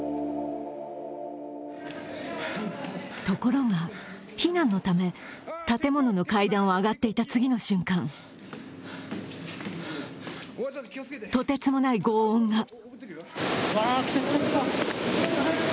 ところが、避難のため建物の階段を上がっていた次の瞬間、とてつもない轟音が。